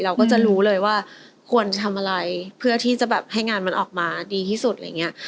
เราก็จะรู้เลยว่าควรทำอะไรเพื่อที่จะแบบให้งานมันออกมาดีที่สุดอะไรอย่างเงี้ย